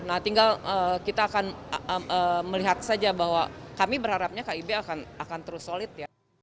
nah tinggal kita akan melihat saja bahwa kami berharapnya kib akan terus solid